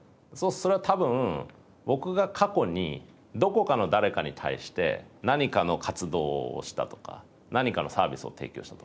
それは多分僕が過去にどこかの誰かに対して何かの活動をしたとか何かのサービスを提供した。